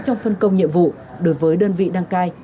trong phân công nhiệm vụ đối với đơn vị đăng cai